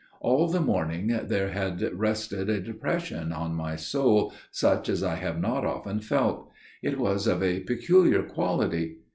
"All the morning there had rested a depression on my soul such as I have not often felt; it was of a peculiar quality.